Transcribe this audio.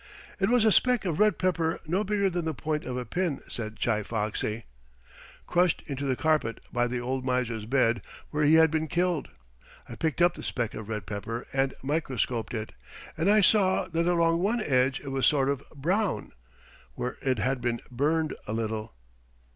"It was a speck of red pepper no bigger than the point of a pin," said Chi Foxy, "crushed into the carpet by the old miser's bed, where he had been killed. I picked up the speck of red pepper and microscoped it, and I saw that along one edge it was sort of brown, where it had been burned a little."